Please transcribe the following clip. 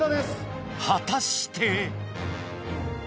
果たして！